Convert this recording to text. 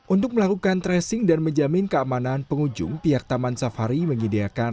untuk melakukan tracing dan menjamin keamanan pengunjung pihak taman safari menyediakan